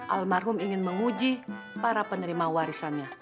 almarhum ingin menguji para penerima warisannya